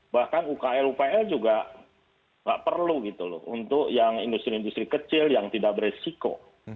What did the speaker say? bahkan ukl upl juga nggak perlu gitu loh untuk yang industri industri kecil yang tidak beresiko